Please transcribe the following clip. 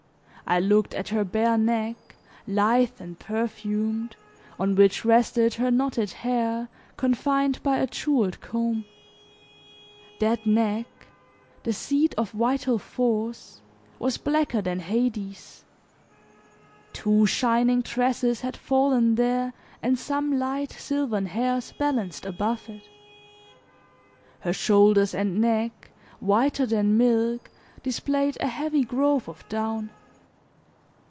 I looked at her bare neck, lithe and perfumed, on which rested her knotted hair confined by a jeweled comb; that neck, the seat of vital force, was blacker than Hades; two shining tresses had fallen there and some light silvern hairs balanced above it. Her shoulders and neck, whiter than milk, displayed a heavy growth of down.